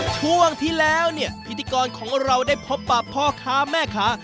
ช่วงที่แล้วเนี่ยพิธีกรของเราได้พบปากพ่อค้าแม่ค้า